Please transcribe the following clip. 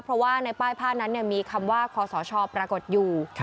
เพราะว่าในป้ายผ้านั้นมีคำว่าคอสชปรากฏอยู่